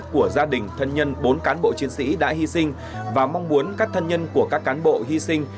của gia đình thân nhân bốn cán bộ chiến sĩ đã hy sinh và mong muốn các thân nhân của các cán bộ hy sinh